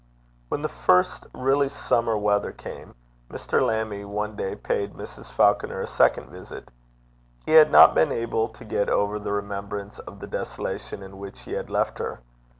When the first really summer weather came, Mr. Lammie one day paid Mrs. Falconer a second visit. He had not been able to get over the remembrance of the desolation in which he had left her.